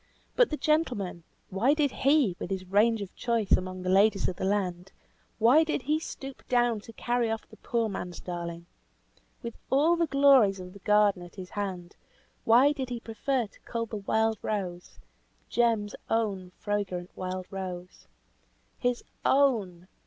But the gentleman; why did he, with his range of choice among the ladies of the land, why did he stoop down to carry off the poor man's darling? With all the glories of the garden at his hand, why did he prefer to cull the wild rose, Jem's own fragrant wild rose? His _own!